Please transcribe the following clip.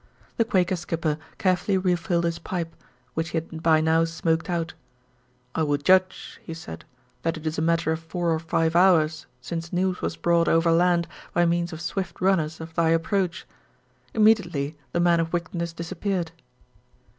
The Quaker skipper carefully refilled his pipe, which he had by now smoked out. "I would judge," he said, "that it is a matter of four or five hours since news was brought overland by means of swift runners of thy approach. Immediately the man of wickedness disappeared."